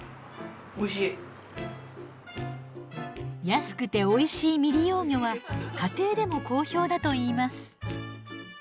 安くておいしい未利用魚は家庭でも好評だといいます。